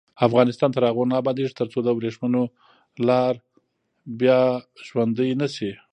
افغانستان تر هغو نه ابادیږي، ترڅو د وریښمو لار بیا ژوندۍ نشي.